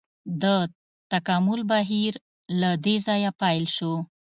د تکامل بهیر له دې ځایه پیل شو.